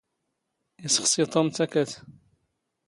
ⵉⵙⵅⵙⵉ ⵜⵓⵎ ⵜⴰⴽⴰⵜ.